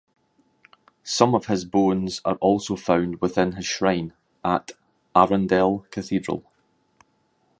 Some of his bones are also found within his shrine at Arundel Cathedral.